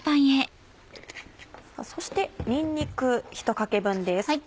そしてにんにく１かけ分です。